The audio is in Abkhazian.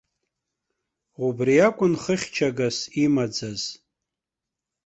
Убри акәын хыхьчагас имаӡаз.